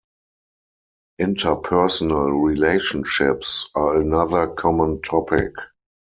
Interpersonal relationships are another common topic.